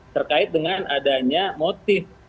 terkait dengan adanya motif